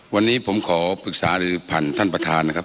วันนี้ผมขอปรึกษาหรือผ่านท่านประธานนะครับ